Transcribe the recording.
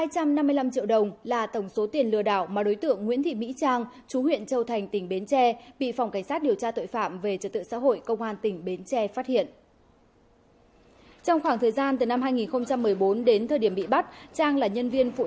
các bạn hãy đăng ký kênh để ủng hộ kênh của chúng mình nhé